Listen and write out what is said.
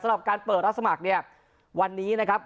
สำหรับการเปิดรับสมัครเนี่ยวันนี้นะครับ